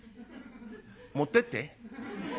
「持ってって。